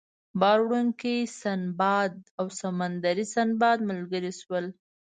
بار وړونکی سنباد او سمندري سنباد ملګري شول.